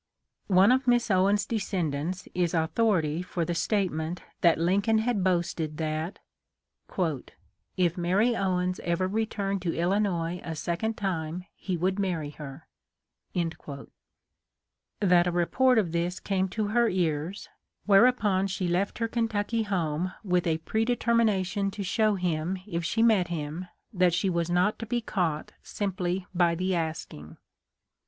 One of Miss Owens' descendants is authority for the statement that Lincoln had boasted that " if Mary Owens ever returned to Illinois a second time he would marry her; " that a report of this came to her ears, whereupon she left her Kentucky home with a pre determination to show him if she met * Mrs. Hardin Bale. t Johnson G. Greene. 10 146 THE LIFE OF LINCOLN. him that she was not to be caught simply by the asking.